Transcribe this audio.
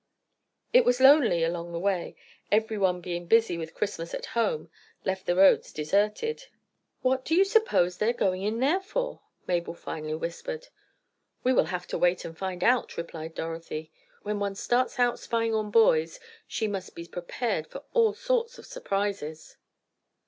It was lonely along the way. Everyone being busy with Christmas at home, left the roads deserted. "What do you suppose they are going in there for?" Mabel finally whispered. "We will have to wait and find out," replied Dorothy. "When one starts out spying on boys she must be prepared for all sorts of surprises."